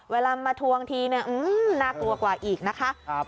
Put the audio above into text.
เวลามาทวงทีเนี่ยน่ากลัวกว่าอีกนะคะ